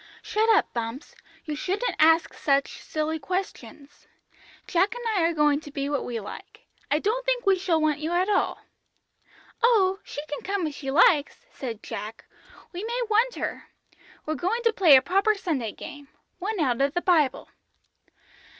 "Shut up, Bumps; you shouldn't ask such silly questions. Jack and I are going to be what we like. I don't think we shall want you at all." "Oh, she can come if she likes," said Jack, "we may want her. We're going to play a proper Sunday game one out of the Bible."